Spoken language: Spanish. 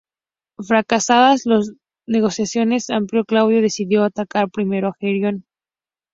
Fracasadas las negociaciones, Apio Claudio decidió a atacar primero a Hierón.